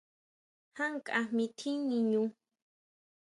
Já nkajmi tjín niñú?